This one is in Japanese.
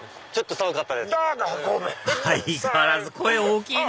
相変わらず声大きいな！